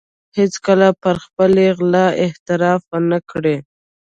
هېڅکله پر خپلې غلا اعتراف و نه کړ.